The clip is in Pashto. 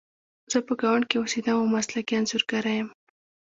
زه په ګاونډ کې اوسیدم او مسلکي انځورګره یم